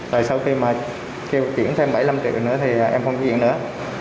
rồi sau khi mà kêu chuyển thêm bảy mươi năm triệu nữa thì em không chuyển nữa